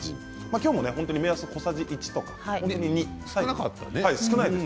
今日も目安は小さじ１とか少ないんです。